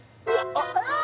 あっ！